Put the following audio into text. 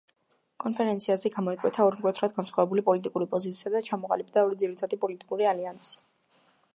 კონფერენციაზე გამოიკვეთა ორი მკვეთრად განსხვავებული პოლიტიკური პოზიცია და ჩამოყალიბდა ორი ძირითადი პოლიტიკური ალიანსი.